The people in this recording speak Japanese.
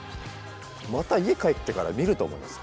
また家帰ってから見ると思います